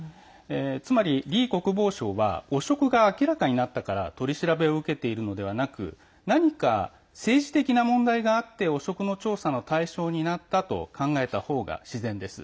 つまり、李国防相は汚職が明らかになったから取り調べを受けているのではなく何か政治的な問題があって汚職の調査の対象になったと考えた方が自然です。